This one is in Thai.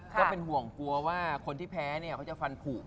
ก็เป็นห่วงกลัวว่าคนที่แพ้เนี่ยเขาจะฟันผูก